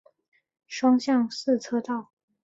双向四车道。